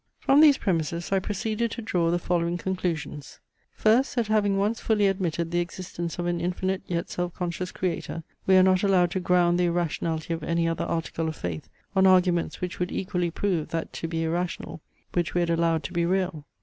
From these premises I proceeded to draw the following conclusions. First, that having once fully admitted the existence of an infinite yet self conscious Creator, we are not allowed to ground the irrationality of any other article of faith on arguments which would equally prove that to be irrational, which we had allowed to be real.